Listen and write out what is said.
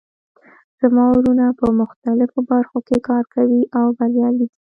زما وروڼه په مختلفو برخو کې کار کوي او بریالي دي